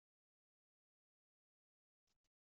Mlmi ɣa tdwld ɣur Australia?